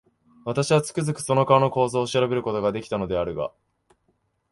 私は、つくづくその顔の構造を調べる事が出来たのであるが、